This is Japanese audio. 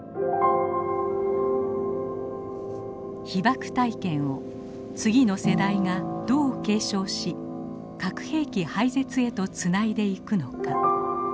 被爆体験を次の世代がどう継承し核兵器廃絶へとつないでいくのか。